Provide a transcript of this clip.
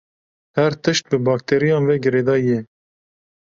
Her tişt bi bakteriyan ve girêdayî ye.